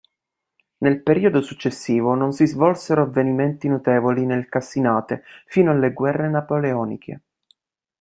Nel periodo successivo non si svolsero avvenimenti notevoli nel Cassinate fino alle guerre napoleoniche.